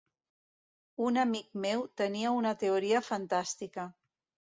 Un amic meu tenia una teoria fantàstica.